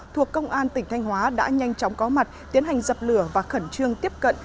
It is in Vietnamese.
thuộc công an tỉnh thanh hóa đã nhanh chóng có mặt tiến hành dập lửa và khẩn trương tiếp cận